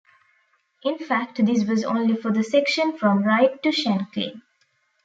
In fact this was only for the section from Ryde to Shanklin.